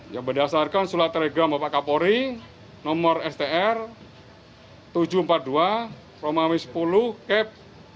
ya berdasarkan sulat telegram bapak kapori nomor str tujuh ratus empat puluh dua romawi sepuluh kep dua ribu dua puluh dua